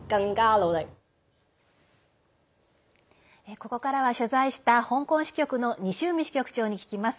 ここからは、取材した香港支局の西海支局長に聞きます。